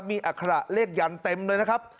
มีอัคระเลขยันเต็มเลยนะครับ